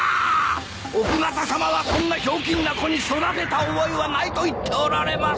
奥方さまはそんなひょうきんな子に育てた覚えはないと言っておられます！